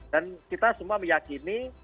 dan kita semua meyakini